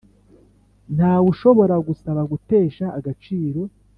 Ntawe ushobora gusaba gutesha agaciro